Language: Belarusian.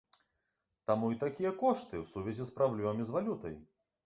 Таму і такія кошты ў сувязі з праблемамі з валютай.